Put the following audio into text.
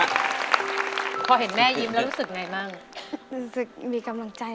รู้สึกมีกำลังใจ